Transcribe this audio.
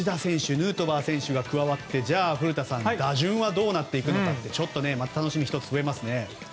ヌートバー選手が加わって古田さん打順はどうなっていくのかまた楽しみが１つ増えますね。